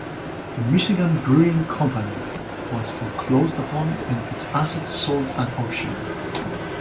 The Michigan Brewing Company was foreclosed upon and its assets sold at auction.